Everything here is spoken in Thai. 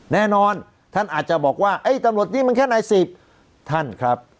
แน่นอนท่านอาจจะบอกว่าไอ้ตำรวจนี่มันแค่นายสิบท่านครับ